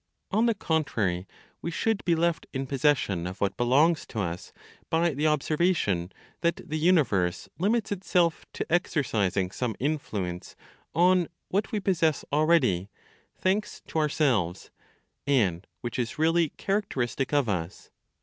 On the contrary, we should be left in possession of what belongs to us by the observation that the universe limits itself to exercising some influence on what we possess already thanks to ourselves, and which is really characteristic of us.